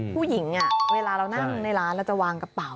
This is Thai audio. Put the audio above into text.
เวลาเรานั่งในร้านเราจะวางกระเป๋า